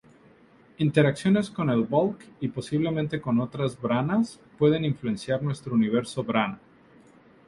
Interacciones con el Bulk, y posiblemente con otras branas, pueden influenciar nuestro Universo brana.